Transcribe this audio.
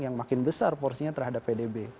yang makin besar porsinya terhadap pdb